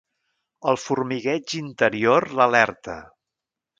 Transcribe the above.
El formigueig interior l'alerta.